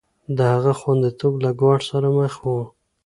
د هغه خونديتوب له ګواښ سره مخ و.